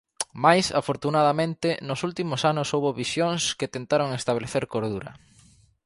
Mais, afortunadamente, nos últimos anos houbo visións que tentaron establecer cordura.